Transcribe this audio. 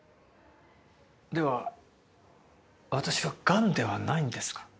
では私はがんではないんですか？